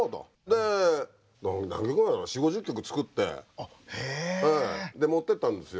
で何曲くらいだろ４０５０曲作って持ってったんですよ。